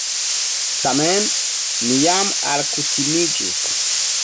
Tamen mi jam alkutimiĝis.